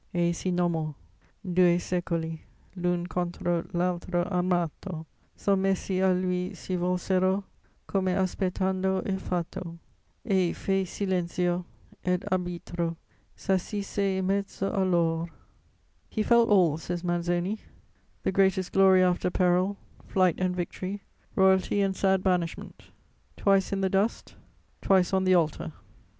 Ei si nomo: due secoli, L'un contro l'altro armato, Sommessi a lui si volsero, Come aspettando il fato; Ei fè silenzio, ed arbitro S'assise in mezzo a lor. "He felt all," says Manzoni, "the greatest glory after peril, flight and victory, royalty and sad banishment: twice in the dust, twice on the altar.